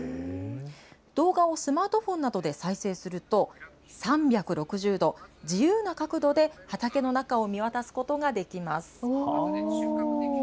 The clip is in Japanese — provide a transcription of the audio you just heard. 動画をスマートフォンなどで再生すると、３６０度、自由な角度で畑の中を見渡すことができます。